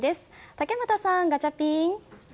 竹俣さん、ガチャピン。